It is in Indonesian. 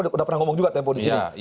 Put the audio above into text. udah pernah ngomong juga tempo di sini